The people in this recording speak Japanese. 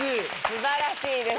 素晴らしいです。